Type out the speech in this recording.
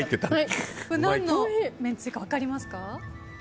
何のめんつゆか分かりますか？